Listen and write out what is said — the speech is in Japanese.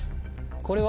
これは。